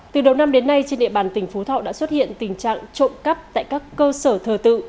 từ đầu năm đến nay trên địa bàn tỉnh phú thọ đã xuất hiện tình trạng trộm cắp tại các cơ sở thờ tự